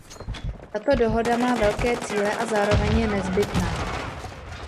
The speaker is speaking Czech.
Tato dohoda má velké cíle a zároveň je nezbytná.